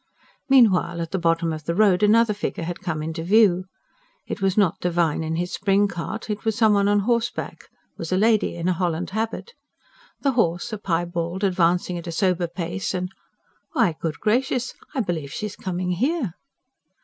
Meanwhile at the bottom of the road another figure had come into view. It was not Devine in his spring cart; it was some one on horseback, was a lady, in a holland habit. The horse, a piebald, advanced at a sober pace, and "Why, good gracious! I believe she's coming here."